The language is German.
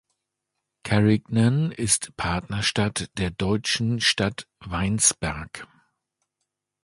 Carignan ist Partnerstadt der deutschen Stadt Weinsberg.